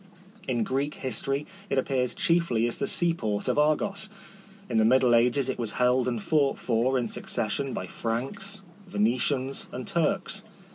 In Greek history, it appears chiefly as the seaport of Argos. In the middle ages it was held and fought for in succession by Franks, Venetians, and Turks.